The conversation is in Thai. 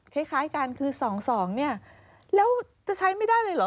คล้ายกันคือ๒๒เนี่ยแล้วจะใช้ไม่ได้เลยเหรอ